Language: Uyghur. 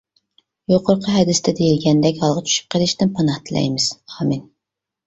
يۇقىرىقى ھەدىستە دېيىلگەندەك ھالغا چۈشۈپ قىلىشتىن پاناھ تىلەيمىز، -ئامىن!